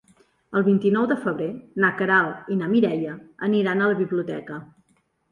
El vint-i-nou de febrer na Queralt i na Mireia aniran a la biblioteca.